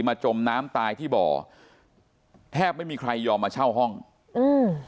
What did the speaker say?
จมน้ำตายที่บ่อแทบไม่มีใครยอมมาเช่าห้องอืม